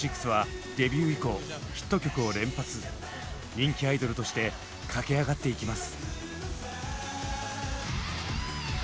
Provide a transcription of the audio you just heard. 人気アイドルとして駆け上がっていきます。